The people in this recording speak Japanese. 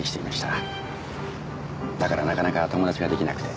だからなかなか友達が出来なくて。